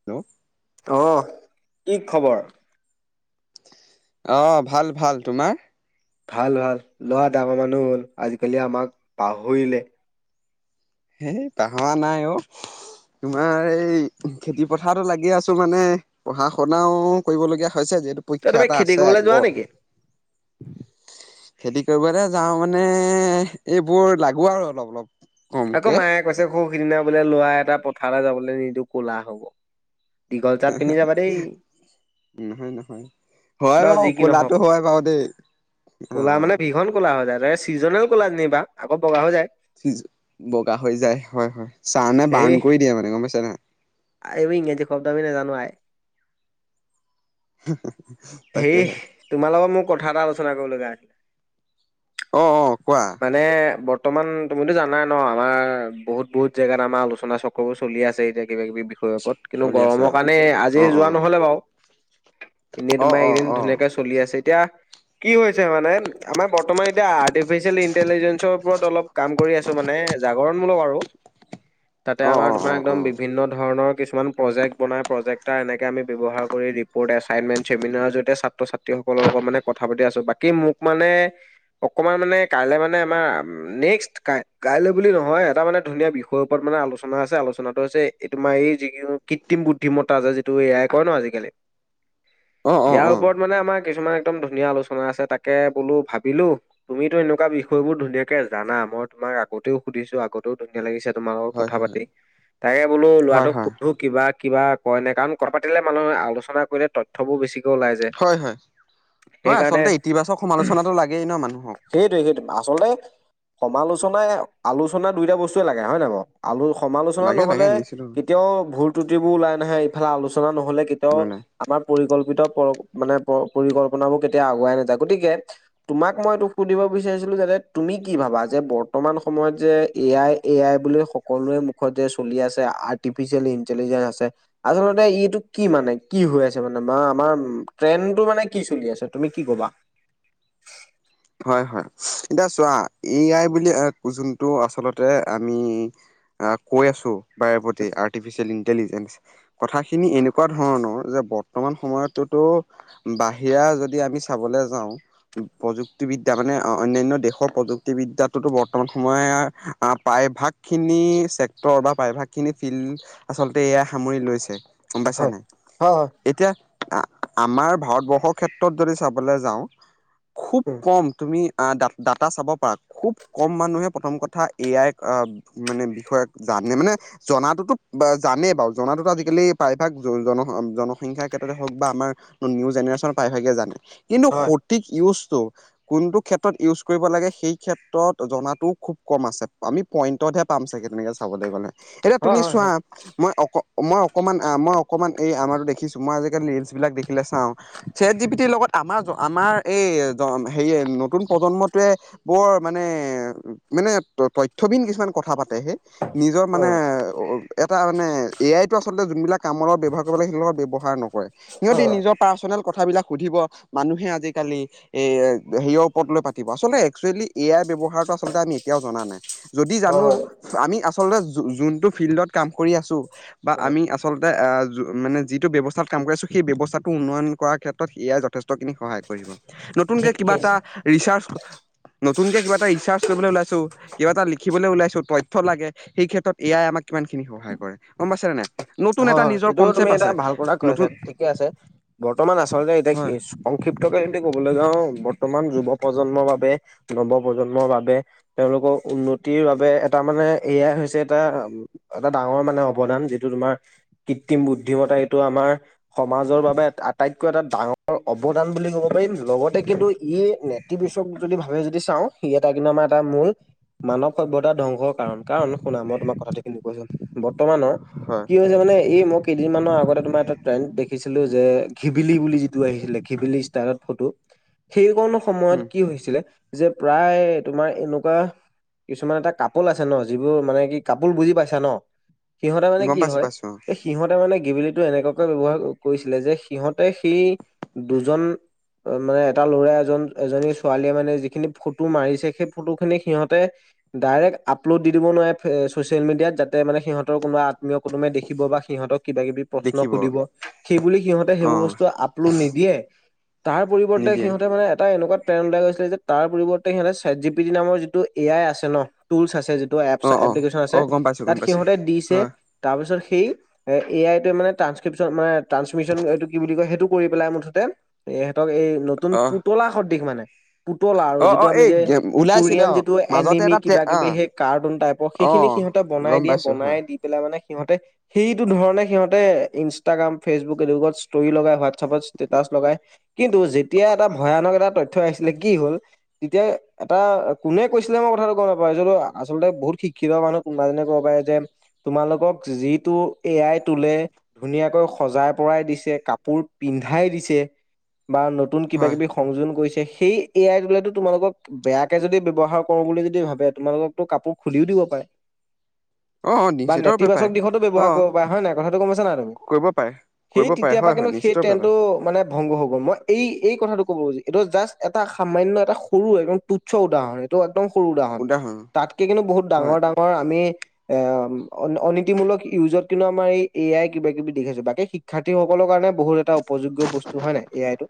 Hello অহ কি খবৰ। অহ ভাল ভাল তোমাৰ। ভাল ভাল লৰা ডাঙৰ মানুহ হ'ল আজিকালি আমাক পাহৰিলে। হেন পাহৰা নাই অহ। তোমাৰ এই খেতি পথাৰতো লাগি আছোঁ মানে। পঢ়া শুনাও কৰিবলগীয়া হৈছে যিহেতু অ পৰীক্ষা তুমি এটা খেতি আছে কৰিবলৈ যোৱা আগত। নেকি? খেতি কৰিবলে যাওঁ মানে এইবোৰ লাগো আৰু অলপ অলপ। আকৌ কমকে। মায়ে কৈছে সৌ সিদিনা বোলে লৰা এটা পথাৰলে যাবলৈ নিদো ক'লা হব। দীঘল চাৰ্ট পিন্ধি যাবা দেই। নহয় নহয় হয় বাৰু যি কি নহওক কলাটো হয় বাৰু দেই ক'লা অহ। মানে ভীষণ ক'লা হৈ যায় তাকে চিজনেল ক'লা যেনেবা আকৌ বগা হৈ যায়। সি বগা হৈ যায় হয় হয় চাহ নে হেই বাৰ্ণ কৰি দিয়ে মানে গম পাইছে নাই। এইবোৰ ইংৰাজী শব্দ আমি নাজানো আই। উহ তাকে হে। তোমালোকৰ মোৰ কথা এটা আলোচনা কৰিব লগিয়া হৈছিলে। অহ অহ কোৱা। মানে বৰ্তমান তুমিতো জানা ন আমাৰ বহুত বহুত জেগাত আমাৰ আলোচনা চক্ৰ। সেইবোৰ চলি আছে এতিয়া কিবা কিবি বিষয়ৰ ওপৰত কিন্তু চলি আছে গৰমৰ অ' কাৰণে আজি অ' যোৱা নহলে বাৰু। এনেই অ' অ' তোমাৰ অ' এইদিন ধুনীয়াকে অ' চলি আছে এতিয়া। কি হৈছে মানে আমাৰ বৰ্তমান এতিয়া আৰ্টিফিচিয়েল ইণ্টেলিজেঞ্চৰ ওপৰত অলপ। কাম কৰি আছো মানে জাগৰণমূলক আৰু তাতে অ' অ' আমাৰ তোমাৰ অ' একদম বিভিন্ন দোকান। ধৰণৰ কিছুমান প্ৰজেক্ট বনাই প্ৰজেক্টাৰ এনেকৈ আমি ব্যৱহাৰ কৰি ৰিপৰ্ট এছাইনমেণ্ট চেমিনাৰ জৰিয়তে ছাত্ৰ ছাত্ৰী। তেওঁলোকৰ লগত মানে কথা পাতি আছো বাকী মোক মানে অকমান মানে কাইলে মানে আমাৰ। নেক্সট কাই কাইলৈ বুলি নহয় এটা মানে ধুনীয়া বিষয়ৰ ওপৰত মানে আলোচনা আছে আলোচনাটো হৈছে। এই তোমাৰ এই যিটো কৃত্ৰিম বুদ্ধিমত্তা যে যিটো এ আই কয় ন আজিকালি। অ' অ' অ' ইয়াৰ অ' ওপৰত মানে আমাৰ কিছুমান একদম ধুনীয়া আলোচনা আছে তাকে বোলো ভাবিলোঁ। তুমিতো এনেকুৱা বিষয় বোৰ ধুনীয়াকে জানা মই তোমাক আগতেও সুধিছো আগত। তও ধুনীয়া লাগিছে তোমাৰ লগত হয় কথা হয়। পাতি তাকে বোলো হয় ল'ৰাটোক হয় কিবা কিবা কয় নে কাৰণ কথা পাতিলে মানুহে আলোচনা কৰিলে ত কথাবোৰ বেছিকৈ ওলাই যায়। হয় হয় হয় সেইকাৰণে আচলতে ইতিবাচক সমালোচনাটো লাগেই ন মানুহক সেইটোৱে সেইটো আচলতে সমালোচনাই আলোচনা দুইটা বস্তুৱে লাগে হয় নে নহয় বাৰু। আলো সমালোচনা লাগে লাগে নহ'লে নিশ্চিত কেতিয়াও ভুল ত্ৰুটিবোৰ ওলাই নাহে ইফালে আলোচনা নহলে কেতিয়াও নোলায় আমাৰ পৰিকল্পিত পৰ মানে প পৰিকল্পনাবোৰ কেতিয়া আগুৱাই নাযায় গতিকে তোমাক মই এইটো সুধিব বিচাৰিছিলো যাতে তুমি কি ভাবা যে বৰ্তমান সময়ত যে এ আই এ আই বুলি সকলোৰে মুখত যে চলি আছে আৰ্টিফিচিয়েল ইণ্টেলিজেঞ্চ আছে। আচলতে ইটো কি মানে কি হৈ আছে মানে আমা আমাৰ ট্ৰেণ্ডটো মানে কি চলি আছে তুমি কি কবা? হয় হয় এতিয়া চোৱা এ আই বুলি যোনটো আচলতে আমি আহ কৈ আছো বাৰে প্ৰতি আৰ্টিফিচিয়েল ইণ্টেলিজেন্ঞ্চ। কথাখিনি এনেকুৱা ধৰণৰ যে বৰ্তমান সময়তোতো। বাহিৰা যদি আমি চাবলৈ যাওঁ প্ৰযু ক্তি বিদ্যা মানে অন্যান্য দেশৰ প্ৰযুক্তি বিদ্যাটোতো বৰ্তমান সময়ে প্ৰায়ভাগ। খিনি চেক্টৰ বা প্ৰায়ভাগ খিনি ফিল্ড আচলতে এ আই সামৰি লৈছে। গম পাইছা হয় নাই। হয় হয় এতিয়া আমাৰ ভাৰতবৰ্ষৰ ক্ষেত্ৰত যদি চাবলৈ যাওঁ খুব উম কম তুমি ডা ডাটা চাব পাৰা খুব কম মানুহে প্ৰথম কথা এ আই আহ। মানে বিষয়াক জানে মানে। জনাটোতো জানেই বাৰু জনাটোতো আজিকালি প্ৰায়ভাগ জন জনসংখ্যাৰ ক্ষেত্ৰতে হওক বা আমাৰ নিউ জেনেৰে্চন প্ৰায়ভাগে জানে কিন্তু হয় সঠিক ইউজটো কোনটো ক্ষেত্ৰত ইউজ কৰিব লাগে সেই ক্ষেত্ৰত জনাটোও খুব কম আছে। আমি পইণ্টতহে পাম চাগে তেনেকে চাবলৈ গ'লে এতিয়া হয় তুমি হয় চোৱা। হয় মই অক মই অকমান মই অকমান এই আমাৰ দেখিছো মই আজিকালি ৰিলচ বিলাক দেখিলে চাওঁ। চেট জি পিতিৰ লগত আমাৰ আমাৰ এই হেৰিয়ে নতুন প্ৰজন্মটোৱে বৰ মানে মানে তথ্যবিন কিছুমান কথা পাতে হে। নিজৰ অ মানে এটা মানে এ আইতো আচলতে যোনবিলাক কামত ব্যৱহাৰ কৰিব লাগে সিহঁতৰ লগত ব্যৱহাৰ নকৰে অ সিহঁতি নিজৰ পাৰ্চনেল কথাবিলাক সুধিব মানুহে আজিকালি। এ সেয়ৰ ওপৰত লৈ পাতিব আচলতে এক্সোৱেলি এ আই ব্যৱহাৰ। টো আচলতে আমি এতিয়াও জনা নাই যদি জানো। হয় আমি আচলতে যো যোনটো ফিল্ডত কাম কৰি আছোঁ বা অ আমি আচলতে আ মানে যিটো ব্যৱস্থাত কাম কৰি আছো সেই ব্যৱস্থাটো উন্নয়ন কৰাৰ ক্ষেত্ৰত এআই যথেষ্টখিনি সহায় কৰিব। নতুনকে ঠিকে কিবা আছে এটা ৰিচাৰ্চ নতুনকে কিবা এটা ৰিচাৰ্চ কৰিবলৈ ওলাইছো কিবা এটা লিখিবলৈ ওলাইছো তথ্য লাগে। সেই ক্ষেত্ৰত এয়াই আমাক কিমান খিনি সহায় কৰে গম পাইছানে নাই। নতুন হয় এটা হয় নিজৰ এইটো তুমি কনচেপ্ট এটা আছে ভাল কথা কৈ নতুন আছা ঠিকে আছে। বৰ্তমান আচলতে এতিয়া কি হয় সংক্ষিপ্তকে যদি ক'বলৈ যাওঁ বৰ্তমান যুৱক প্ৰজন্মৰ বাবে নৱ প্ৰজন্মৰ বাবে। তেওঁলোকৰ উন্নতিৰ বাবে এটা মানে এ আই হৈছে এটা এটা ডাঙৰ মানে অৱদান যিটো তোমাৰ কৃত্ৰিম বুদ্ধিমতা এইটো আমাৰ সমাজৰ বাবে আটাইতকৈ এটা ডাঙৰ অৱদান বুলি ক'ব পাৰিম লগতে কিন্তু ই ইতিবিচক যদি ভাল যদি চাওঁ সি এটা কিন্তু আমাৰ এটা মূল মানৱ সভ্যতা ধ্বংসৰ কাৰণ। কাৰণ শুনা মই তোমাক কথাটো কিন্তু কৈছো বৰ্তমানৰ হয় কি হৈছে মানে এই মই কেইদিন মানৰ আগতে তোমাৰ এটা ট্ৰেণ্ড দেখিছিলো যে ঘিবিলি বুলি যিটো আহিছিলে ঘিবিলিছ [unintelligible] ফটো সেইকন উম সময়ত কি হৈছিলে যে প্ৰায় তোমাৰ এনোকুৱা কিছুমান এটা কাপোল আছে ন যিবোৰ মানে কি কাপোল বুজি পাইছা ন সিহঁতে মানে গম কি পাইছো হয় পাইছো অ এ, সিহঁতে মানে গিবিলিটো এনেকুৱা কে ব্যৱহাৰ কৰিছিলে যে সিহঁতে সেই দুজন অ', মানে এটা ল'ৰা এজন, এজনী ছোৱালীয়ে মানে যিখিনি ফটো মাৰিছে সেই ফটোখিনি সিহঁতে ডাইৰেক্ট আপলোড দি দিব নোৱাৰে ফে এ, ছ'চিয়েল মিডিয়াত যাতে মানে সিহঁতৰ কোনোবা আত মীয় কোনোবাই দেখিব বা সিহঁতক কিবা কিবি প্ৰশ্ন দেখিব সুধিব, সেই বুলি সিহঁতে অ সেইবোৰ বস্তু আপ [unintelligible] নিদিয়ে, তাৰ পৰিৱৰ্তে নিদিয়ে সিহঁতে মানে এটা এনোকুৱা [unintelligible] এটা কৰিছে যে তাৰ পৰিৱৰ্তে সিহঁতে ছেটজিপিটি নামৰ যিটো এ আই আছে ন টুলচ আছে যিটো এপছ অ অ এপলিকেশ্যন আছে। অ গম পাইছো তাত গম পাইছো সিহঁতে দিছে হয় তাৰপিছত সেই এ, এ আইটে মানে ট্ৰানস্কিপশ্যন মানে ট্ৰাঞ্চমিশ্যন এইটো কি বুলি কয় সেইটো কৰি পেলাই মুঠতে ইহঁতক এই নতুন অ পুতলা সদৃশ মানে পুতলা আৰু অ যিটো অ আমি এই যে গে- ওলাইছিলে কোৰিয়ান অ যিটো মাজতে এনিমি এটা কিবা টে- অ কিবি সেই কাৰ্টুন টাইপ অ', সেইখিনি সিহঁতক বনাই গম দিয়ে পাইছো বনাই হয়, দি পেলাই মানে সিহঁতে সেইটো ধৰণে সিহঁতে ইনষ্টাগ্ৰাম, ফেচবুক এনেকুৱাত ষ্টৰি লগাই হোৱাটছাপত ষ্টেটাচ লগায়। কিন্তু যেতিয়া এটা ভয়ানক এটা তথ্য আহিছিলে কি হ'ল তেতিয়া এটা অ', কোনে কৈছিলে মই কথাটো গম নাপাওঁ [unintelligible] আচলতে বহুত শিক্ষিত মানুহ কোনবা এজনে ক'ব পাৰে যে তোমালোকক যিটো এ আই টোলে ধুনীয়াকৈ সজাই পৰাই দিছে, কাপোৰ পিন্ধাই দিছে বা নতুন হয়, কিবাকিবি স- সংযোজন কৰিছে সেই এ আই টোলেটো তোমালোকক বেয়াকে যদি ব্যৱহাৰ কৰোঁ বুলি যদি ভাবে তোমালোকক ত' কাপোৰ খুলিও দিব পাৰে। অ', অ', নিশ্চিত [unintelligible] তিবাচক দিশতো ব্যৱহাৰ অ', কৰিব পাৰে হয় নাই কথাটো গম পাইছা নাই তুমি? কৰিব পাৰে, সেই কৰিব পাৰে তিতিয়া পা হয়, হয়, কিন্তু নিশ্চিত সেই ৰূপে পাৰে, ট্ৰেণ্ডটো মানে ভংগ হৈ গ'ল। মই এই এই কথাটো ক'ব খুজি এইটো জাষ্ট এটা সামান্য এটা সৰু একদম তুচ্ছ উদাহৰণহে টো একদম সৰু উদাহৰণ। তাতকে কিন্তু বহুত হয়। ডাঙৰ ডাঙৰ আমি এ অন অনীতিমূলক ইউজত কিন্তু আমাৰ এই এ আই কিবাকিবি [unintelligible] বাকী, শিক্ষাৰ্থীসকলৰ কাৰণে বহুত এটা উপ উপযোগ্য বস্তু হয় নাই এ আইটো?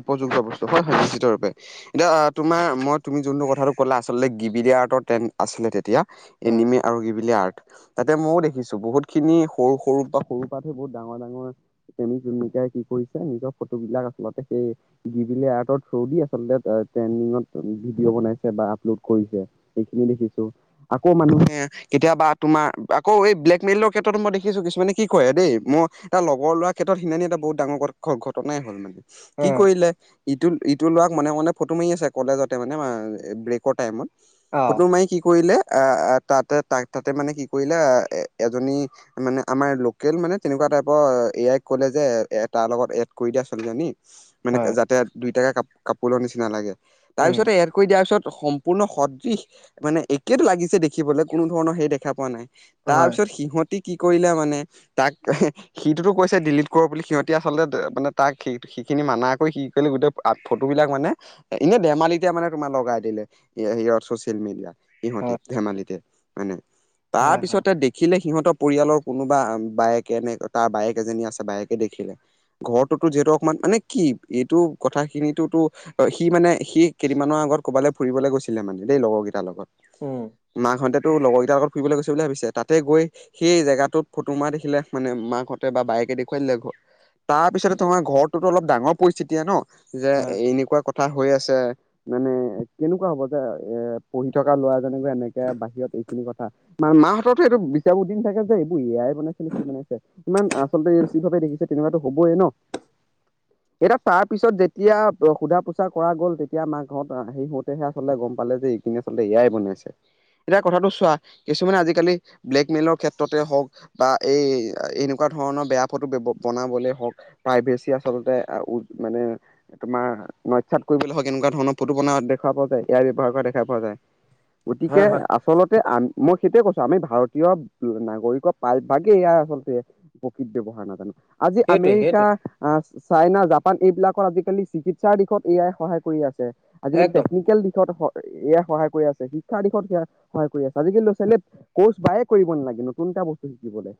উপযোগ্য বস্তু হয় হয় নিশ্চিতৰূপে। এতিয়া আ, তোমাৰ মই তুমি যোনটো কথাটো ক'লা আচলতে গিবিলি আৰ্টৰ ট্ৰেণ্ড আছিলে তেতিয়া। উম এনিমিয়া আৰু গিবিলি আৰ্ট। তাতে মইও দেখিছোঁ বহুতখিনি সৰু সৰু পা সৰু পাহে বহুত ডাঙৰ ডাঙৰ প্ৰেমিক প্ৰেমিকাই কি কৰিছে নিজৰ ফটোবিলাক আচলতে সেই গিবিলি আৰ্টৰ থ্ৰু দি আচলতে আ, ট্ৰেণ্ডিংত ভিডিঅ বনাইছে বা আপলোড কৰিছে। সেইখিনি দেখিছোঁ। আকৌ মানুহে কেতিয়াবা তোমাৰ আকৌ এই ব্লেকমেইলৰ ক্ষেত্ৰতো মই দেখিছোঁ কিছুমানে কি কৰে দেই মই টা লগৰ ল'ৰাৰ ক্ষেত্ৰত সিনাখনি এটা বহুত ডাঙৰ [unintelligible] ঘটনাই হ'ল মানে। কি উম কৰিলে ইটো ইটো ল'ৰাক মনে মনে ফটো মাৰি আছে কলেজতে মানে মা এ, ব্ৰেকৰ টাইমত। অ ফটো মাৰি কি কৰিলে আ, আ, তাতে তাক তাতে মানে কি কৰিলে আ, এ, এজনী মানে আমাৰ লোকেল মানে তেনেকুৱা টাইপৰ এ, এ আইক ক'লে যে এ তাৰ লগত এড কৰি দিয়া ছোৱালীজনী। মানে হয় যাতে দুইটাকে কাপ কাপোলৰ নিচিনা লাগে। তাৰ উম পিছতে এড কৰি দিয়াৰ পিছত সম্পূৰ্ণ সদৃশ মানে একেইটো লাগিছে দেখিবলে কোনো ধৰণৰ হেৰি দেখা পোৱা নাই। তাৰ হয় পিছত সিহঁতি কি কৰিলে মানে তাক সিটোতো কৈছে ডিলিট কৰ বুলি সিহঁতে আচলতে মানে তাক সি সেইখিনি মানা কৰি, কি কৰিলে গোটেই ফটোবিলাক মানে এনে ধেমালিতে মানে তোমাৰ লগাই দিলে, [unintelligible] ছচিয়েল মিডিয়াত। সিঁহতি হয় ধেমালিতে মানে। তাৰ হয় হয় পিছতে দেখিলে সিহঁতৰ পৰিয়ালৰ কোনোবা বায়েকে [unintelligible] তাৰ বায়েক এজনী আছে বায়েকে দেখিলে। ঘৰটোতো যিহেতু অকমান, মানে কি এইটো কথাখিনিটোতো অ', সি মানে সি কেইদিনমানৰ আগত ক'ৰবালে ফুৰিবলৈ গৈছিলে মানে, দেই লগৰ কেইটাৰ লগত। উম মাকহঁতেতো লগৰ কিটাৰ লগত ফুৰিবলৈ গৈছে বুলি ভাবিছে। তাতে গৈ সেই জেগাটোত ফটো মৰা দেখিলে, মানে মাকহঁতে বা বায়েকে দেখুৱাই দিলে ঘৰত তাৰপিছতে তোমাৰ ঘৰটোতো অলপ ডাঙৰ পৰিস্থিতিয়ে ন, যে হয় এনেকুৱা কথা হৈ আছে। মানে কেনেকুৱা হ'ব যে, এ পঢ়ি থকা ল'ৰাজনে গৈ এনেকে বাহিৰত এইখিনি কথা! মান মাহতৰতো এইটো বিচাৰ [unintelligible] দিন থাকে যে এইবোৰ এয়াই বনাইছে নে কি বনাইছে। কিমান আচলতে কি ভাবে দেখিছে তেনেকুৱাতো হবইে ন? এতিয়া তাৰ পিছত যেতিয়া সোধা পোছা কৰা গ'ল তেতিয়া মাক হত আহি গল। সহে আচলতে গম পালে যে এইখিনি আচলতে এয়াই বনাইছে। এতিয়া কথাটো চোৱা কিছুমানে আজিকালি ব্লেকমেইলৰ ক্ষেত্ৰতে হওক। বা এই এনেকুৱা ধৰণৰ বেয়া ফটো বনাবলে হওঁক প্ৰাইভেচি আ। আচলতে আ উ মানে তোমাৰ। নক্ষাত কৰিবলৈ হওক এনেকুৱা ধৰণৰ ফটো বনোৱা দেখা পোৱা যায় ইয়াৰ ব্যৱহাৰ কৰা দেখা পোৱা যায়। গতিকে হয় হয় আচলতে আমি। মই সেইটোয়ে ক ইছো আমি ভাৰতীয় নাগৰিকৰ প্ৰায়ভাগে ইয়াৰ আচলতে। প্ৰকৃত ব্যৱহাৰ নাজানে আজি সেইটোৱে আমেৰিকা। সেইটোৱে আহ চাইনা জাপান এইবিলাকত আজিকালি চিকিৎসাৰ দিশত এয়াই সহায় কৰি আছে। আজিকালি একদম টেকনিকেল দিশত এআই সহায় কৰি আছে শিক্ষাৰ দিশত সেয়া সহায় কৰি আছে আজিকালি ল'ৰা ছোৱালীয়ে। কৰ্চ বায়ে কৰিব নালাগে নতুন এটা বস্তু শিকিবলে।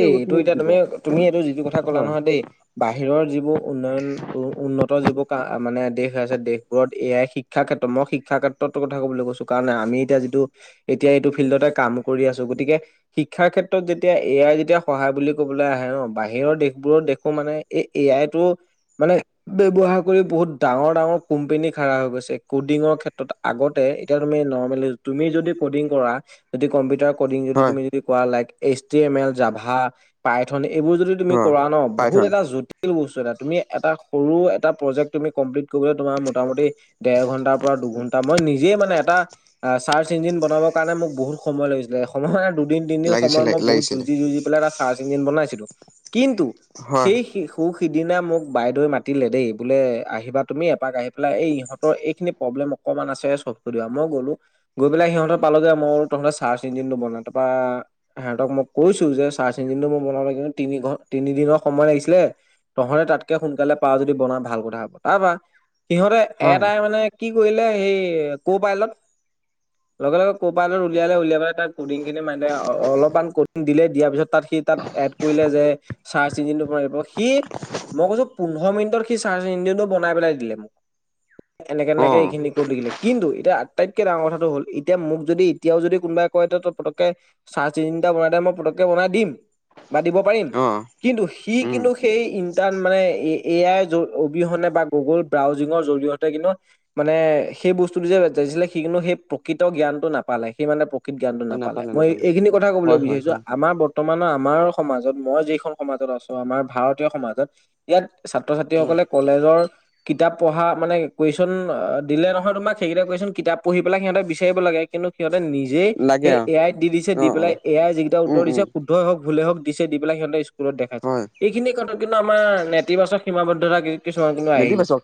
এই এইটো এতিয়া তুমি তুমি এইটো যিটো কথা কলা হয় নহয় দেই। বাহিৰৰ যিবোৰ উন্নয়ন উন্নত যিবোৰ ক মানে দেশ আছে দেশবোৰত এ আই শিক। শিক্ষাৰ ক্ষেত্ৰত মই শিক্ষাৰ ক্ষেত্ৰত কথা ক'বলৈ কৈছো কাৰণ আমি এতিয়া যিটো। এতিয়া এইটো ফিল্ডতে কাম কৰি আছো গতিকে শিক্ষাৰ ক্ষেত্ৰত যেতিয়া। এ আই যেতিয়া সহায় বুলি কবলৈ আহে ন বাহিৰৰ দেশবোৰত দেখো মানে এই এ আইতো। মানে ব্যৱহাৰ কৰি বহুত ডাঙৰ ডাঙৰ কোম্পানী খাৰা হৈ গৈছে কডিঙৰ ক্ষেত্ৰত। আগতে এতিয়া তুমি নৰ্মেলি তুমি যদি কডিং কৰা যদি কম্পিউটাৰ। কডিং যদি হয় তুমি যদি কৰা লাইক এইচটিএমএল, জাভা, পায়থন এইবোৰ যদি। তুমি হয় কৰা ন বহুত পাইথন এটা জুতি। সৰু বস্তু এটা তুমি এটা সৰু এটা প্ৰজেক্ট কম্পিলিত কৰিবলে তোমাৰ মোটা মুটি। ডেৰ ঘণ্টাৰ পৰা দুঘণ্টা মই নিজে মানে এটা। চাৰ্চ ইঞ্জিন বনাবৰ কাৰণে মোক বহুত সময় লাগিছিলে সময় মানে দুদিন তিনদিন সময় লাগিছিলে মই বহুত। লাগিছিলে ই জি পেল এটা চাৰ্চ ইঞ্জিন বনাইছিলো কিন্তু হয় সেই। সু সিদিনা মোক বাইদেও মাতিলে দেই বোলে আহিবা তুমি এপাক আহি পেলাই এই ইহঁতৰ এইখিনি প্ৰব্লেম। অকণমান আছে চব [unintelligible] মই গ'লো। গৈ পেলাই সিহঁততে পালোঁগৈ মোৰ তহঁতে চাৰ্চ ইঞ্জিনটো বনাই তাপা সিহঁতক মোক। কৈছো যে চাৰ্চ ইঞ্জিনটো মই বনাবলে কিন্তু তিনি তিনিদিনৰ সময় লাগিছিলে। তহঁতে তাতকে সোনকালে পা যদি বনা ভাল কথা হব তাপা সিহঁতে হয় এটাই মানে। কি কৰিলে সেই ক' পাইলত। লগে লগে ক'ৰপালড উলিয়ালে উলিয়াই পাই তাৰ কডিং খিনি মাৰিলে অ অলপমান। দিলে দিয়াৰ পিছত তা'ত সি তা'ত এড কৰিলে যে চাৰ্জ ইঞ্জিনটো সি- মই কৈছো পোন্ধৰ মিনিটত সি চাৰ্জ ইঞ্জিনটো বনাই পেলাই দিলে মোক। অ এনেকৈ-এনেকৈ এইখিনি কৰি কৰিলে, কিন্তু এতিয়া আটাইতকৈ ডাঙৰ কথাটো হ'ল এতিয়া মোক যদি এতিয়াও যদি কোনোবা- মই তো পতকে চাৰ্জ ইঞ্জিন এটা বনাই মই পতকে বনাই দিম বা দিব পাৰিম। অ কিন্তু সি উম কিন্তু সেই ইণ্টাৰ মানে এ আইৰ অবিহনে বা গুগল ব্ৰাউজিঙৰ জৰিয়তে। কিন্তু মানে সেই বস্তুটো যোইছিলে সি কিন্তু সেই প্ৰকৃত জ্ঞানটো নাপালে সি মানে। জ্ঞান নাপালে মই এইখিনি কথা কবলৈ হয় হয় বিচাৰিছো। হয় আমাৰ বৰ্তমানৰ আমাৰ সমাজত মই যিখন সমাজত আছো আমাৰ ভাৰতীয় সমাজত- ইয়াত হয় ছাত্ৰ-ছাত্ৰীসকলে কলেজৰ- কিতাপ পঢ়া মানে কুৱেশ্যন দিলে নহয় তোমাক সেইকেইটা কুৱচন কিতাপ পঢ়ি পেলাই সিহতে বিচাৰিব লাগে। কিন্তু সিহঁতে নিজেই লাগে সেই অ এ আই দি দিছে, অ দি অ পেলাই এ আই যি কেইটা উম উত্তৰ উম দিছে- শুদ্ধই হওক, ভুলে হওক, দিছে দি পিলাই সিহঁতে স্কুলত দেখাইছে। হয় সেইখিনি কথা কিন্তু আমাৰ নেতিবাচক সীমাবদ্ধতা। কিছুমান কিন্তু আহি গৈছে। নেতিবাচক।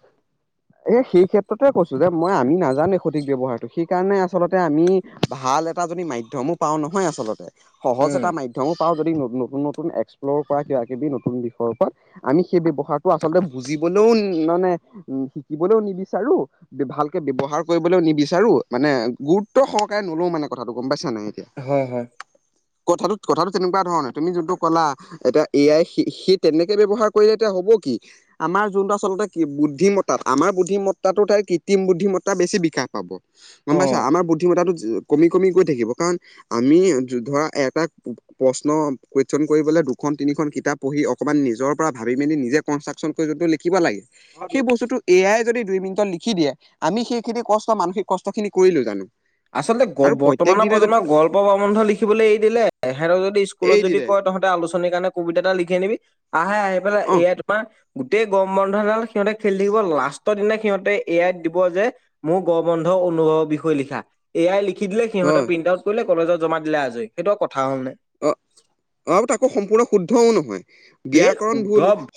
এ সেই ক্ষেত্ৰতে কৈছো যে মই আমি নাজানে সঠিক ব্যৱহাৰটো। সেইকাৰণে আচলতে আমি ভাল এটা যদি মাধ্যমো পাওঁ নহয় আচলতে সহজ উম, এটা মাধ্য- মও পাওঁ যদি নতুন-নতুন এক্সপ্ল'ৰ পৰা কিবা-কিবি নতুন দিশৰ পৰা- আমি সেই ব্যৱহাৰটো আচলতে বুজিবলৈও মানে উম শিকিবলৈও নিবিচাৰো। ভালকে ব্যৱহাৰ কৰিবলৈও নিবিচাৰো মানে গুৰুত্ব সহকাৰে নলও মানে কথাটো গম পাইছা নাই এতিয়া। হয়-হয়। কথাটো-কথাটো তেনেকুৱা ধৰণে নহয়, তুমি যোনটো ক'লা- এতিয়া এ আই সি, সি তেনেকে ব্যৱহাৰ কৰিলে এতিয়া হ'ব কি? আমাৰ যোনটো আচলতে বুদ্ধিমত্তা আমাৰ বুদ্ধিমত্তাটো তাই কৃত্ৰিম বুদ্ধিমত্তা বেছি বিকাশ পাব। গম পাইছা, অ'। আমাৰ বুদ্ধিমত্তাটো কমি কমি গৈ থাকিব। কাৰণ- আমি ধৰা এটা- প্ৰশ্ন কুৱেচন কৰিবলৈ দুখন, তিনিখন কিতাপ পঢ়ি অকণমান নিজৰ পৰা ভাবি মেলি নিজে- লিখিব লাগে, সেই বস্তুটো- এ আই যদি দুই মিনিটত লিখি দিয়ে আমি সেইখিনি কষ্ট মানসিক কষ্ট খিনি কৰিলো জানো। আচলতে আৰু প্ৰত্যেক বৰ্তমানৰ দিনে যদি প্ৰজন্মক গল্প প্ৰবন্ধ লিখিবলৈ এৰি দিলে, তেখঁতক যদি স্কুলত এই যদি দিলে কয় তহঁ কিবা আলোচনীৰ কাৰণে কবিতা এটা লিখি আনিবি আহে আহি পেলাই অ এ আই তোমাৰ- গোটেই গৰম বন্ধডাল সিহঁতে খেলি থাকিব লাষ্টৰ দিনা সিহঁতে এ আইত দিব যে- মোৰ গৰম বন্ধ অনুভৱৰ বিষয়ে লিখা। এ আই লিখি দিলে সিহঁতে হয় প্ৰিণ্টআউট কৰিলে কলেজত জমা দিলে আজৰি সেইটো আৰু কথা হ'ল নে। অহ', - অ তাকো সম্পূৰ্ণ শুদ্ধও নহয়, সেই ব্যাকৰণ শুদ্ধ ভুল।